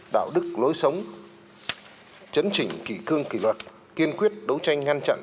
đạo đức lối sống chấn chỉnh kỷ cương kỷ luật kiên quyết đấu tranh ngăn chặn